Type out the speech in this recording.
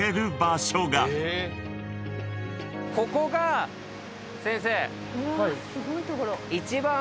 ここが先生。